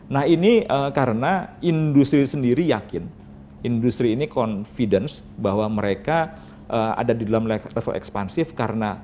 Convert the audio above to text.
nah ini karena industri sendiri yakin industri ini confidence bahwa mereka ada di dalam level ekspansif karena